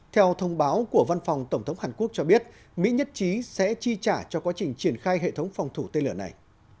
theo thông báo của văn phòng tổng thống hàn quốc cho biết mỹ nhất trí sẽ chi trả cho quá trình triển khai hệ thống phòng thủ tên lửa này